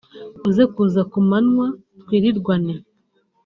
uze kuza ku manywa twiririranwe